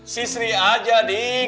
si sri aja ding